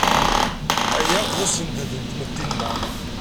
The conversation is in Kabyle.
Aya d assended n tmetti-nneɣ.